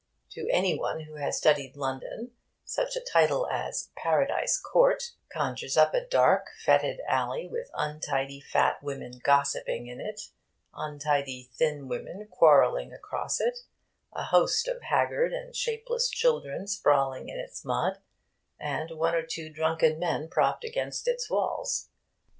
To any one who has studied London, such a title as 'Paradise Court' conjures up a dark fetid alley, with untidy fat women gossiping in it, untidy thin women quarrelling across it, a host of haggard and shapeless children sprawling in its mud, and one or two drunken men propped against its walls.